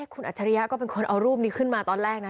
คุณอัจฉริยะก็เป็นคนเอารูปนี้ขึ้นมาตอนแรกนะ